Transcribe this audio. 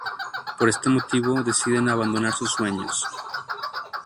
Por este motivo, deciden abandonar sus sueños.